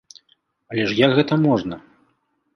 Але ж як гэта можна?